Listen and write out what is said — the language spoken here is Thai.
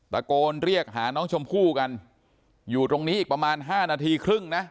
ตะโกนเรียกหาน้องชมพู่กันอยู่ตรงนี้อีกประมาณ๕นาทีครึ่งนะ